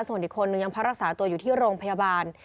ส่วนอีกคนนึงยังพักรักษาตัวอยู่ที่โรงพยาบาล